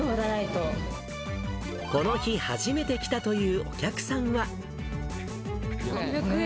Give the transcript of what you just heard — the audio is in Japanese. この日初めて来たというお客３００円。